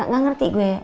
gak ngerti gue